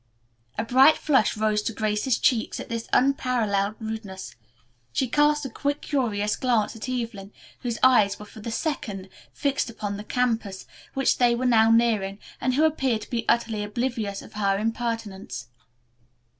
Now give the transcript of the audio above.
A bright flush rose to Grace's cheeks at this unparalleled rudeness. She cast a quick, curious glance at Evelyn, whose eyes were for the second fixed upon the campus which they were now nearing, and who appeared to be utterly oblivious of her impertinence.